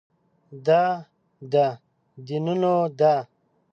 دا د دینونو ده.